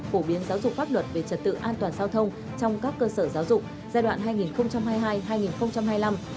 phổ biến giáo dục pháp luật về trật tự an toàn giao thông trong các cơ sở giáo dục giai đoạn hai nghìn hai mươi hai hai nghìn hai mươi năm